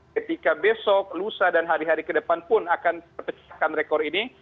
ketika besok lusa dan hari hari kedepan pun akan memperkecilkan rekor ini